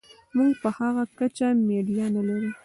موږ په هغه کچه میډیا نلرو.